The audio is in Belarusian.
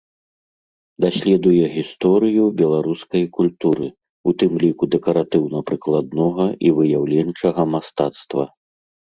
Даследуе гісторыю беларускай культуры, у тым ліку дэкаратыўна-прыкладнога і выяўленчага мастацтва.